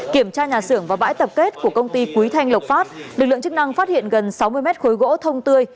kiểm tra nhà xưởng và bãi tập kết của công ty quý thanh lộc phát lực lượng chức năng phát hiện gần sáu mươi mét khối gỗ thông tươi